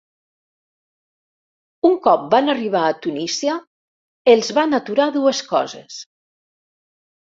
Un cop van arribar a Tunísia, els van aturar dues coses.